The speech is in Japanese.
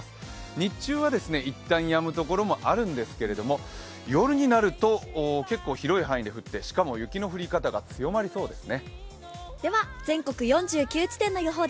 日中はいったんやむところもあるんですけど夜になると結構広い範囲で降ってしかも雪の降り方が強まりそうですね。